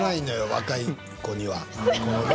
若い子には。